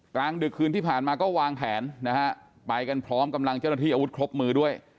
กลางดึกคืนที่ผ่านมาก็วางแผนนะฮะไปกันพร้อมกำลังเจ้าหน้าที่อาวุธครบมือด้วย